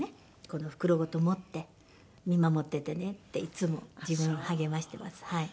この袋ごと持って見守っててねっていつも自分を励ましてますはい。